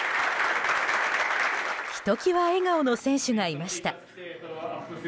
ひと際笑顔の選手がいました。